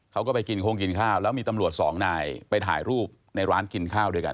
เขาก็ไปกินโค้งกินข้าวแล้วมีตำรวจสองนายไปถ่ายรูปในร้านกินข้าวด้วยกัน